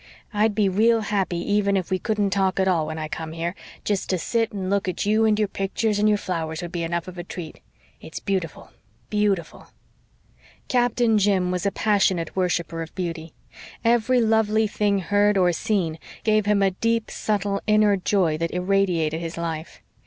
I'd be real happy even if we couldn't talk at all, when I come here jest to sit and look at you and your pictures and your flowers would be enough of a treat. It's beautiful beautiful." Captain Jim was a passionate worshipper of beauty. Every lovely thing heard or seen gave him a deep, subtle, inner joy that irradiated his life.